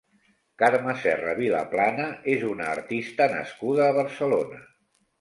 Carme Serra Viaplana és una artista nascuda a Barcelona.